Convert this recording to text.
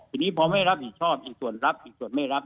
ทีนี้พอไม่รับผิดชอบอีกส่วนรับอีกส่วนไม่รับ